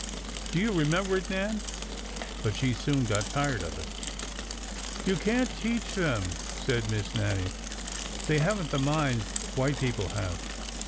Do you remember it. Nan? But she soon got tired of it." " You can't teach them," said Miss Nannie. '' They have n't the minds that white people have."